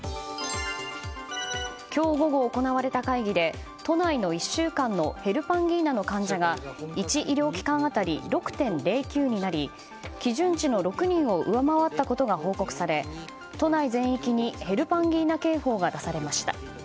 今日午後行われた会議で都内の１週間のヘルパンギーナの患者が１医療機関当たり６．０９になり基準値の６人を上回ったことが報告され都内全域にヘルパンギーナ警報が出されました。